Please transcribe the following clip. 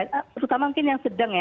terutama mungkin yang sedang ya